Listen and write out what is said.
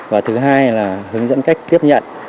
và thứ hai là hướng dẫn cách tiếp nhận